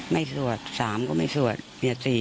ไม่สวด๓ก็ไม่สวดมี๔ศพนี่